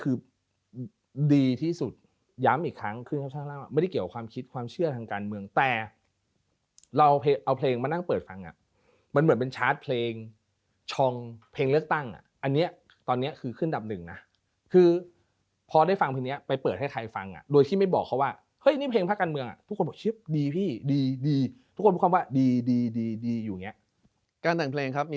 คือดีที่สุดย้ำอีกครั้งคือไม่ได้เกี่ยวความคิดความเชื่อทางการเมืองแต่เราเอาเพลงมานั่งเปิดฟังอ่ะมันเหมือนเป็นชาร์จเพลงชองเพลงเลือกตั้งอ่ะอันเนี้ยตอนเนี้ยคือขึ้นดับหนึ่งน่ะคือพอได้ฟังทีเนี้ยไปเปิดให้ไทยฟังอ่ะโดยที่ไม่บอกเขาว่าเฮ้ยนี่เพลงพระการเมืองอ่ะทุกคนบอกชิบดีพี่ดีดีทุกคน